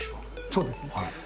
そうですね。